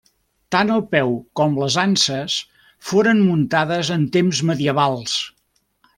Tant el peu com les anses foren muntades en temps medievals.